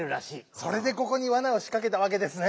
それでここにわなをしかけたわけですね。